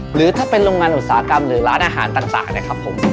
หรือถ้าเป็นโรงงานอุตสาหกรรมหรือร้านอาหารต่างนะครับผม